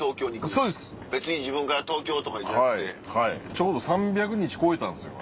ちょうど３００日超えたんですよ